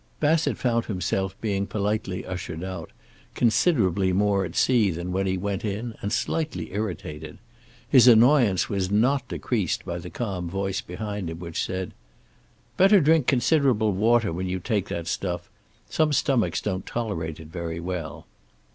Bassett found himself being politely ushered out, considerably more at sea than when he went in and slightly irritated. His annoyance was not decreased by the calm voice behind him which said: "Better drink considerable water when you take that stuff. Some stomachs don't tolerate it very well."